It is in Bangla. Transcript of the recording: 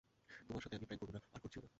তোমার সাথে আমি প্র্যাঙ্ক করব না, আর করছিও না।